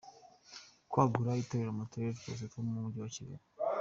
Kwagura itorero Mu turere twose two mu mujyi wa Kigali.